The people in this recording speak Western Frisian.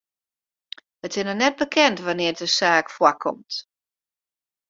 It is noch net bekend wannear't de saak foarkomt.